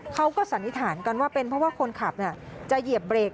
สันนิษฐานกันว่าเป็นเพราะว่าคนขับจะเหยียบเบรก